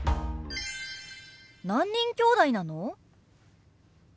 何人きょうだいなの？